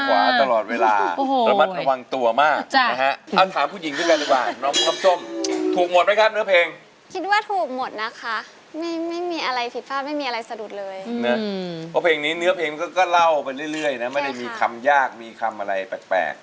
ก็เล่าไปเรื่อยนะไม่ได้มีคำยากมีคำอะไรแปลก